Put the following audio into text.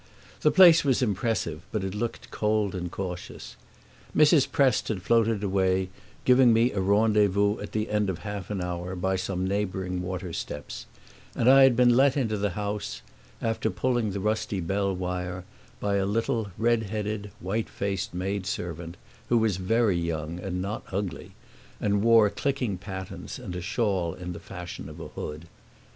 The place was impressive but it looked cold and cautious. Mrs. Prest had floated away, giving me a rendezvous at the end of half an hour by some neighboring water steps; and I had been let into the house, after pulling the rusty bell wire, by a little red headed, white faced maidservant, who was very young and not ugly and wore clicking pattens and a shawl in the fashion of a hood.